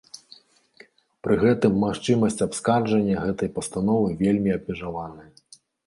Пры гэтым магчымасць абскарджання гэтай пастановы вельмі абмежаваная.